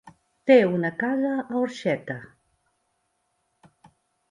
Té una casa a Orxeta.